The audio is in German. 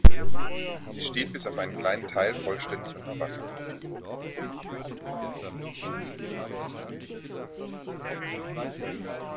Sie steht bis auf einen kleinen Teil vollständig unter Wasser.